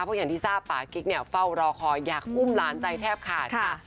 เพราะอย่างที่ทราบปากิ๊กเนี่ยเฝ้ารอคอยอยากอุ้มหลานใจแทบขาดค่ะ